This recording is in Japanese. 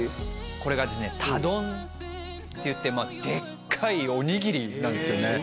これがですねたどんっていってでっかいおにぎりなんですよね